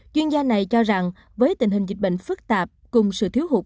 chuyên gia này cho rằng với tình hình dịch bệnh phức tạp cùng sự thiếu hụt